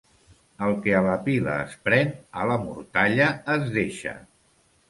El que a la pila es pren, a la mortalla es deixa.